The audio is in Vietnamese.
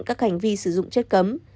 các hành vi sử dụng chất cấm